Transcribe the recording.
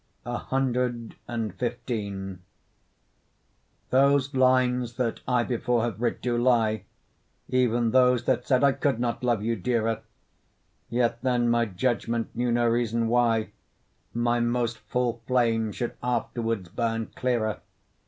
CXV Those lines that I before have writ do lie, Even those that said I could not love you dearer: Yet then my judgment knew no reason why My most full flame should afterwards burn clearer.